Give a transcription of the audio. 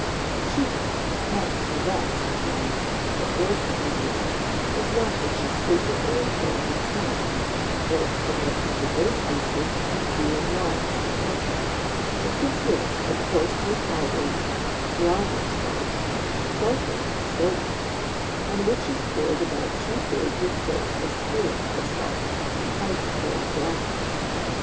The cheapest, and perhaps the best, of these for ordinary use, is one which is frequently employed in France, both for making dessert ices, and cooling wines, &c. It consists of coarsely powdered Glauber salt (sulphate of sodium), on which is poured about two thirds its weight of spirit of salts (hydrochloric acid).